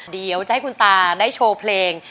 เดี๋ยวจะให้คุณตาได้โชว์เพลง